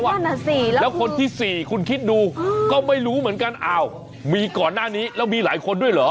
นั่นอ่ะสิแล้วแล้วคนที่๔คุณคิดดูก็ไม่รู้เหมือนกันอ้าวมีก่อนหน้านี้แล้วมีหลายคนด้วยเหรอ